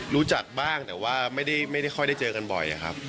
รู้จักบ้างแต่ว่าไม่ได้ค่อยได้เจอกันบ่อยครับ